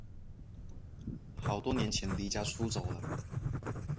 好多年前离家出走了